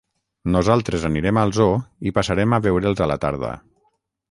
Nosaltres anirem al zoo i passarem a veure'ls a la tarda.